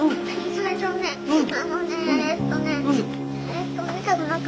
それとねあのねえっとね。